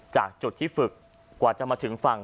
จากจุดที่ฝึกกว่าจะมาถึงฝั่ง